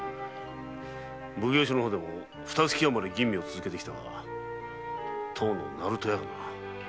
奉行所の方でもふた月あまり吟味を続けてきたが当の鳴門屋がな。